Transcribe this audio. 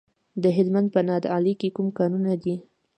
د هلمند په نادعلي کې کوم کانونه دي؟